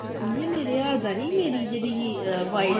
مسئلہ جمہوریت نہیں، کثرت کی خواہش ہے۔